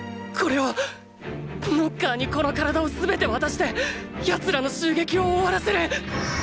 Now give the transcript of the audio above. ノッカーにこの身体を全て渡して奴らの襲撃を終わらせる！！